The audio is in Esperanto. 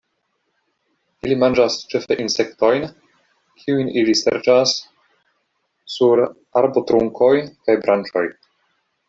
Ili manĝas ĉefe insektojn kiujn ili serĉas sur arbotrunkoj kaj branĉoj.